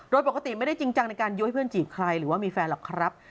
โดยปกติไม่ได้จริงจังในการยัวให้เพื่อนจีบใครหรือว่ามีแฟนหรอกครับ